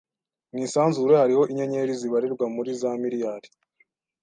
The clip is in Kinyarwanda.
Mu isanzure hariho inyenyeri zibarirwa muri za miriyari.